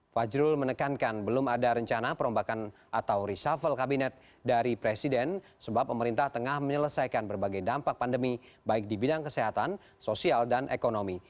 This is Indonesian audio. fajrul menekankan belum ada rencana perombakan atau reshuffle kabinet dari presiden sebab pemerintah tengah menyelesaikan berbagai dampak pandemi baik di bidang kesehatan sosial dan ekonomi